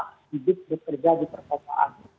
hidup bekerja di perkotaan